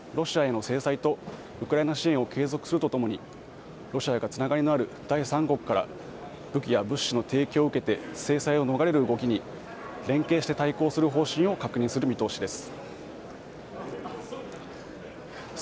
その上で、Ｇ７で結束してロシアへの制裁とウクライナ支援を継続するとともにロシアがつながりのある第三国から武器や物資の提供を受けて制裁を逃れる動きに連携して対抗する方針を確認する見通しです。